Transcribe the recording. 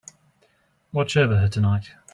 Watch over her tonight.